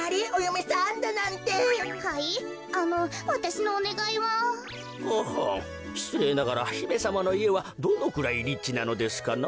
しつれいながらひめさまのいえはどのくらいリッチなのですかな？